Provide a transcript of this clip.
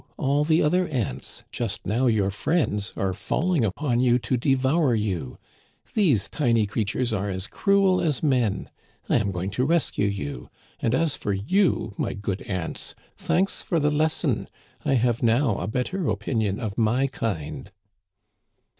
all the other ants, just now your friends, are falling upon you to devour you. These tiny creatures are as cruel as men. I am going to rescue you ; and as for you, my Digitized by VjOOQIC ''THE GOOD GENTLEMANr 139 good ants, thanks for the lesson ; I have now a better opinion of my kind."